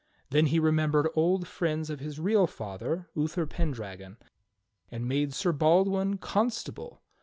Then he remembered old friends of his real father, Uther Pendragon, and made Sir Baldwin constable.